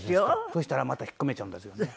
そしたらまた引っ込めちゃうんですよね。